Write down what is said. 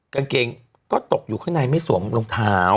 กางเกงก็ตกอยู่ข้างในไม่สวมรองเท้า